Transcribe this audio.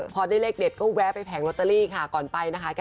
พอได้เลขเด็ดก็แวะไปแผงลอตเตอรี่ค่ะก่อนไปนะคะ